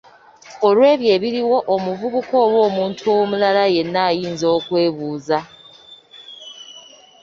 Olw'ebyo ebiriwo omuvubuka oba omuntu omulala yenna ayinza okwebuuza.